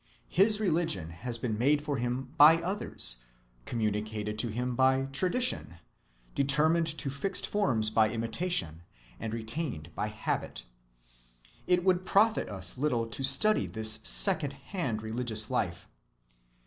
His religion has been made for him by others, communicated to him by tradition, determined to fixed forms by imitation, and retained by habit. It would profit us little to study this second‐hand religious life.